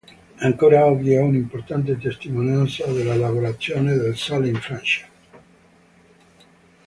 Ancora oggi è un'importante testimonianza della lavorazione del sale in Francia.